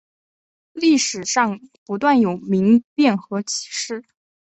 历史上不断有民变和起事。